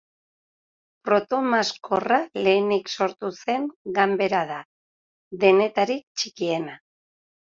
Protomaskorra lehenik sortu zen ganbera da, denetarik txikiena.